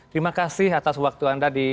terima kasih atas waktu anda